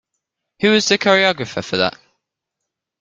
Who was the choreographer for that?